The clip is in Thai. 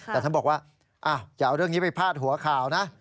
แต่ท่านบอกว่าอย่าเอาเรื่องนี้ไปพาดหัวข่าวนะ